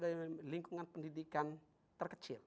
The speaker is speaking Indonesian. maka dia harus dari lingkungan pendidikan terkecil